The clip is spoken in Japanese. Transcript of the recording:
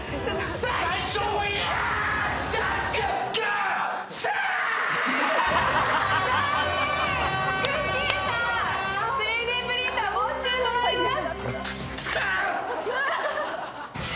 さん、３Ｄプリンター没収となります。